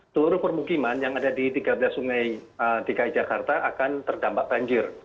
telur permukiman yang ada di tiga belas sungai di kai jakarta akan terdampak banjir